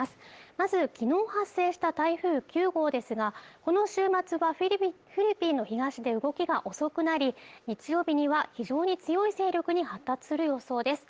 まず昨日発生した台風９号ですがこの週末はフィリピンの東で動きが遅くなり日曜日には非常に強い勢力に発達する予想です